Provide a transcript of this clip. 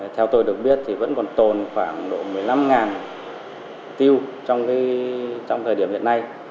theo tôi được biết thì vẫn còn tồn khoảng độ một mươi năm tiêu trong thời điểm hiện nay